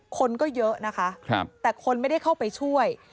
คนก็เยอะนะคะแต่คนไม่ได้เข้าไปช่วย